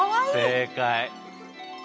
正解。